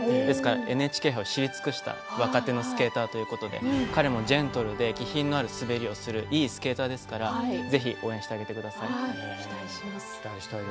ＮＨＫ杯を知り尽くした若手のスケーターということで彼のジェントルで気品のあるスケートをするいいスケーターですからぜひ応援してください。